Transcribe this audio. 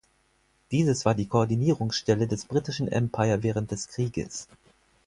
Dieses war die Koordinierungsstelle des britischen Empire während des Krieges.